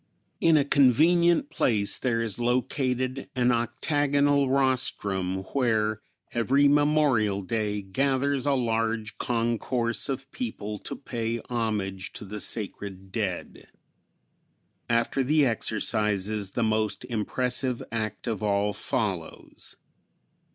In a convenient place there is located an octagonal rostrum, where every Memorial Day gathers a large concourse of people to pay homage to the sacred dead. After the exercises the most impressive act of all follows.